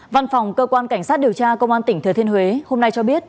văn phòng cơ quan cảnh sát điều tra công an tỉnh thừa thiên huế hôm nay cho biết